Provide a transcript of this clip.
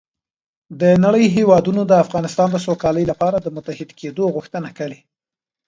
د نړۍ هېوادونو د افغانستان د سوکالۍ لپاره د متحد کېدو غوښتنه کړې